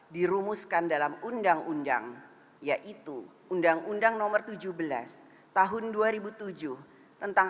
dirumuskan dalam undang undang yaitu undang undang nomor tujuh belas tahun dua ribu tujuh tentang